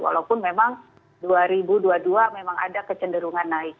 walaupun memang dua ribu dua puluh dua memang ada kecenderungan naik